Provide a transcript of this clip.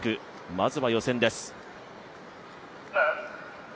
まずは、予選です。